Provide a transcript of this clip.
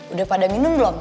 udah pada minum belum